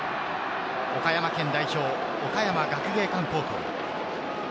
岡山県代表・岡山学芸館高校。